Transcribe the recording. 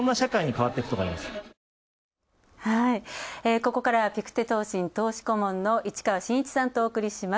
ここからはピクテ投信投資顧問の市川眞一さんとお送りします。